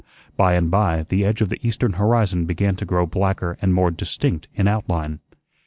By and by the edge of the eastern horizon began to grow blacker and more distinct in out line.